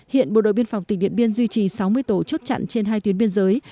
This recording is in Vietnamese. hiện bộ đội biên phòng tỉnh điện biên duy trì sáu mươi tổ chốt chặn trên hai tuyến biên giới